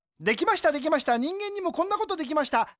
できましたできました人間にもこんなことできました。